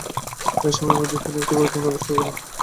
এই সময়ের মধ্যে তিনি একটি গুরুত্বপূর্ণ আবিষ্কার করলেন।